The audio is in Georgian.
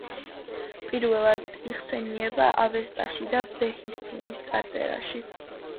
პირველად იხსენიება „ავესტაში“ და ბეჰისთუნის წარწერაში.